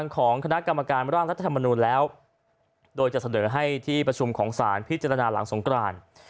ของคณะกรรมการร่างรัฐธรรมนูลแล้วโดยจะเสนอให้ที่ประชุมของศาลพิจารณาหลังสงกราน